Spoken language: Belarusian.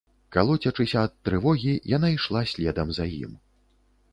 Калоцячыся ад трывогі, яна ішла следам за ім.